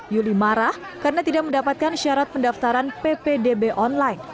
yuli marah karena tidak mendapatkan syarat pendaftaran ppdb online